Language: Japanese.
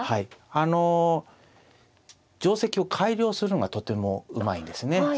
あの定跡を改良するのがとてもうまいんですね。